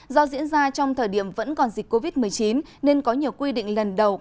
do diễn ra trong thời điểm vẫn còn dịch covid một mươi chín nên có nhiều quy định lần đầu